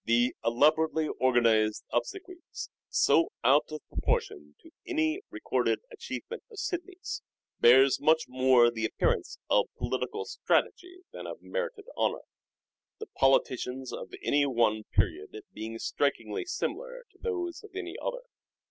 The elaborately organized obsequies, so out of proportion to any recorded achievement of Sidney's, bears much more the appearance of political strategy than of merited honour : the politicians of any one period being strikingly similar to those of any other.